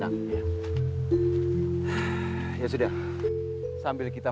aku sudah berhenti